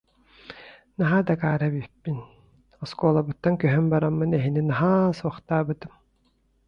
Наһаа да акаары эбиппин, оскуолабыттан көһөн бараммын эһигини наһаа суохтаабытым